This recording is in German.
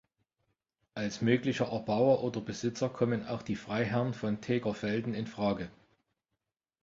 Als mögliche Erbauer oder Besitzer kommen auch die Freiherren von Tegerfelden in Frage.